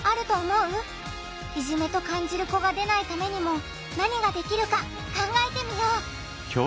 いじめと感じる子が出ないためにも何ができるか考えてみよう！